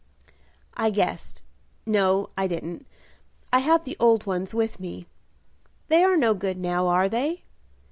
"I guessed, no, I didn't, I had the old ones with me; they are no good now, are they?"